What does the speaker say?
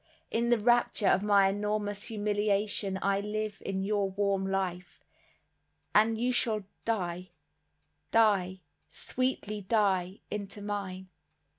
In the rapture of my enormous humiliation I live in your warm life, and you shall die—die, sweetly die—into mine.